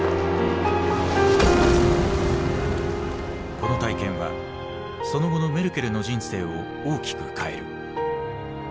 この体験はその後のメルケルの人生を大きく変える。